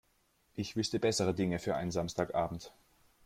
Ich wüsste bessere Dinge für einen Samstagabend.